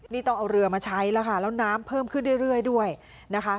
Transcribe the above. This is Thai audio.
นี่ต้องเอาเรือมาใช้แล้วค่ะแล้วน้ำเพิ่มขึ้นเรื่อยด้วยนะคะ